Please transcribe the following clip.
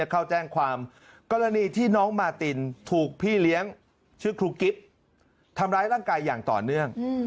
เข้าแจ้งความกรณีที่น้องมาตินถูกพี่เลี้ยงชื่อครูกิฟต์ทำร้ายร่างกายอย่างต่อเนื่อง